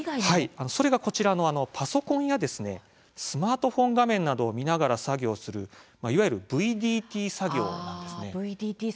それがこちらパソコンやスマートフォン画面などを見ながら作業するいわゆるＶＤＴ作業なんです。